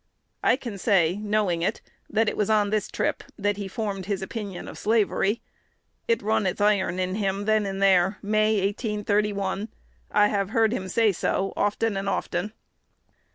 I can say, knowing it, that it was on this trip that he formed his opinions of slavery. It run its iron in him then and there, May, 1831. I have heard him say so often and often."